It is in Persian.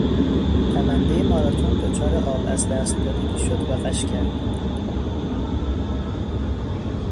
دوندهی ماراتن دچار آب از دست دادگی شد و غش کرد.